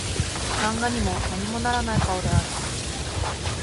漫画にも何もならない顔である